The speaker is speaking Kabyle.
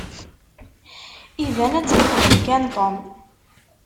Iban ad tt-yexdem kan Tom.